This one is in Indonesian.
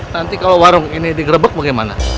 nanti kalau warung ini digerebek bagaimana